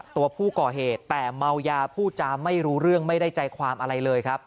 ตัวผู้ก่อเหตุแต่เมายาพูดจาไม่รู้เรื่องไม่ได้ใจความอะไรเลยครับ